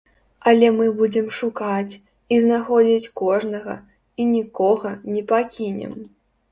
Але мы будзем шукаць, і знаходзіць кожнага, і нікога не пакінем.